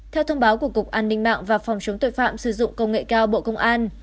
theo thông báo của cục an ninh mạng và phòng chống tội phạm sử dụng công nghệ cao bộ công an